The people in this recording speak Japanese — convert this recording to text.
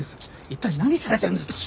一体何されてるんですか？